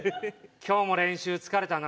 今日も練習疲れたな。